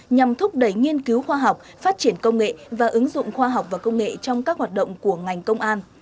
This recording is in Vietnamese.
nhằm thúc đẩy nghiên cứu khoa học phát triển công nghệ và ứng dụng khoa học và công nghệ trong các hoạt động của ngành công an